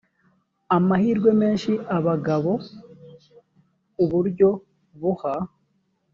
amahirwe menshi abagabo uburyo buha